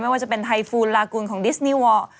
ไม่ว่าจะเป็นไทฟูนลากูลของดิสนีวอล